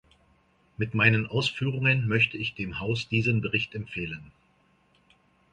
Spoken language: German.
Mit meinen Ausführungen möchte ich dem Haus diesen Bericht empfehlen.